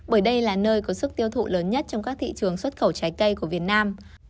bởi đây là nơi có sức tiêu thụ lớn nhất trong các thị trường xuất khẩu trái cây của việt nam